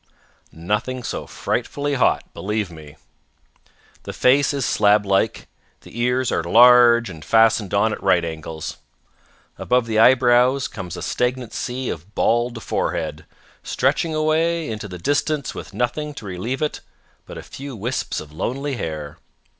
Nothing so frightfully hot, believe me. The face is slablike, the ears are large and fastened on at right angles. Above the eyebrows comes a stagnant sea of bald forehead, stretching away into the distance with nothing to relieve it but a few wisps of lonely hair.